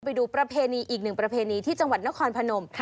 ไปดูประเพณีอีกหนึ่งประเพณีที่จังหวัดนครพนม